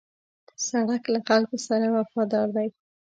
سړک له خلکو سره وفادار دی.